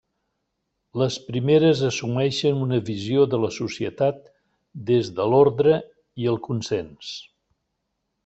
Les primeres assumeixen una visió de la societat des de l’ordre i el consens.